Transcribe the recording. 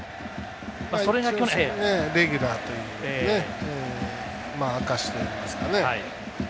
それがレギュラーという証しといいますかね。